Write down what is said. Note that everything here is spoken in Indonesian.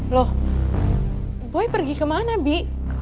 loh boy pergi kemana bi